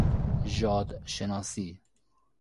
ژاد شناسی